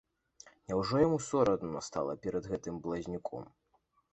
Няўжо яму сорамна стала перад гэтым блазнюком?